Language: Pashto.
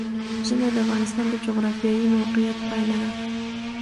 ژمی د افغانستان د جغرافیایي موقیعت پایله ده.